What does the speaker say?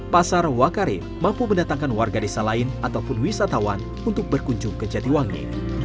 pasar wakari mampu mendatangkan warga desa lain ataupun wisatawan untuk berkunjung ke jatiwangi